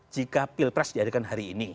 jika pilpres diadakan hari ini